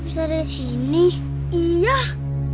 bisa yang lebih murah